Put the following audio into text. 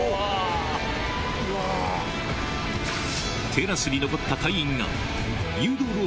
テラスに残った隊員がなるほど！